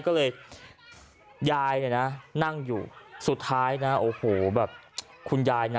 ก็เลยยายเนี่ยนะนั่งอยู่สุดท้ายนะโอ้โหแบบคุณยายนะ